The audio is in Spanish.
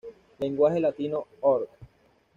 Lenguaje Latino Org.